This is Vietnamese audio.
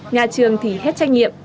nhà trường thì hết trách nhiệm